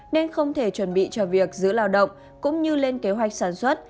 nên không thể chuẩn bị cho việc giữ lao động cũng như lên kế hoạch sản xuất